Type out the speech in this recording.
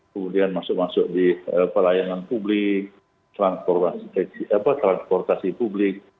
kemudian masuk masuk di pelayanan publik transportasi publik